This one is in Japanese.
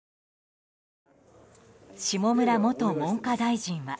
下村元文科大臣は。